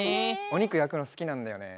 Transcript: おにくやくのすきなんだよね。